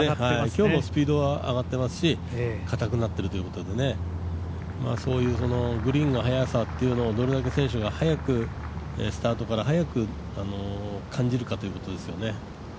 今日もスピードは上がっていますし、かたくなっているというこどて、そういうグリーンの速さっていうのをどれぐらい選手がスタートから早く感じるかということですよね。